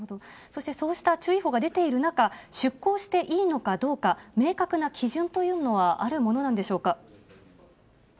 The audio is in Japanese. そしてそうした注意報が出ている中、出港していいのかどうか、明確な基準というのはあるものなんでしょうか。